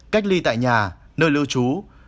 cách ly tại nhà nơi lưu trú